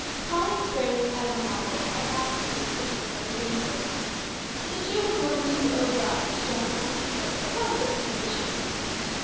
Callings branded as unlawful are apt to prove particularly gainful. The Jew was willing to "oblige" Don Juan also, upon certain conditions.